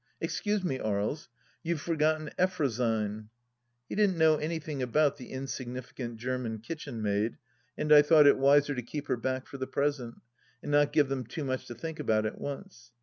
" Excuse me, Aries. You have forgotten Effrosyne 1 " He didn't know anything about the insignificant Gierman kitchenmaid, and I thought it wiser to keep her back for the present and not give them too much to think about at once.